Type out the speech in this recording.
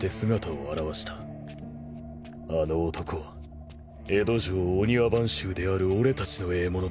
あの男は江戸城御庭番衆である俺たちの獲物だ。